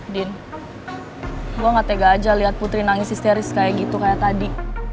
din gue gak tega aja lihat putri nangis histeris kayak gitu kayak tadi